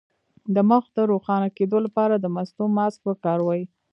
د مخ د روښانه کیدو لپاره د مستو ماسک وکاروئ